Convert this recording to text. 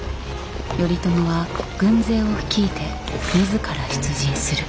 頼朝は軍勢を率いて自ら出陣する。